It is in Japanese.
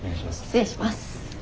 失礼します。